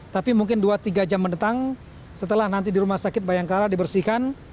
tapi mungkin dua tiga jam mendatang setelah nanti di rumah sakit bayangkara dibersihkan